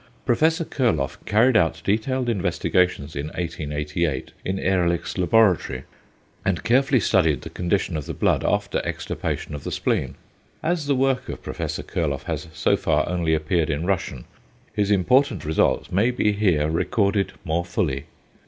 Prof. Kurloff carried out detailed investigations in 1888 in Ehrlich's laboratory, and carefully studied the condition of the blood after extirpation of the spleen. As the work of Prof. Kurloff has so far only appeared in Russian, his important results may be here recorded more fully.